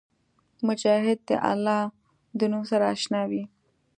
مجاهد د الله د نوم سره اشنا وي.